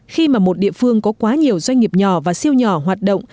khi mà một địa phương có quá nhiều doanh nghiệp nhỏ và siêu nhỏ hoạt động